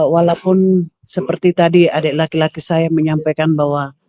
walaupun seperti tadi adik laki laki saya menyampaikan bahwa